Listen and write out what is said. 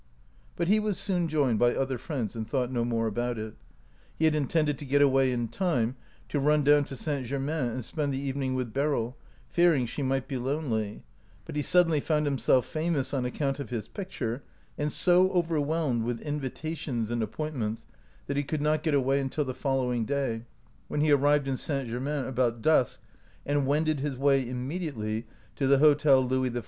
But he was soon joined by other friends, and thought no more about it. He had intended to get away in time to run down to St. Germain and spend the evening with Beryl, fearing she might be lonely ; but he suddenly found himself famous on account of his picture, and so overwhelmed with invitations and ap i95 OUT OF BOHEMIA pointments, that he could not get away until the following day, when he arrived in St. Germain about dusk, and wended his way immediately to the Hotel Louis XIV.